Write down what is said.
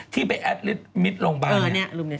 ที่ไปแอดลิศมิตรโรงบาลเนี่ย